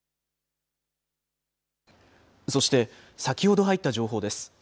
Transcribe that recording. そして先ほど入った情報です。